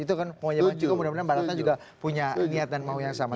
itu kan penguaya mbak ciko mudah mudahan mbak rata juga punya niat dan mau yang sama